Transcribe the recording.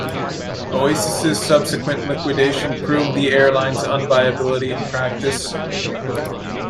Oasis's subsequent liquidation proved the airline's unviability in practice.